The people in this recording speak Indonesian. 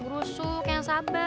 butuh bantuan gak